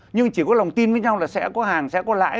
nhưng chỉ có lòng tin với nhau là sẽ có hàng sẽ có lãi